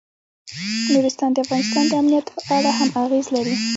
نورستان د افغانستان د امنیت په اړه هم اغېز لري.